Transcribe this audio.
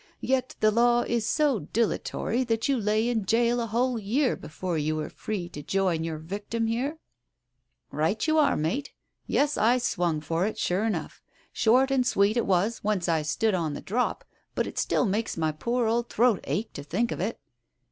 Yet the law is so dilatory that you lay in gaol a whole year before you were free to join your victim here ?" "Right you are, mate. Yes, I swung for it, sure enough. Short and sweet it was once I stood on the drop, but it still makes my poor old throat ache to think of it."